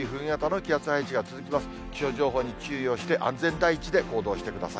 気象情報に注意をして、安全第一で行動してください。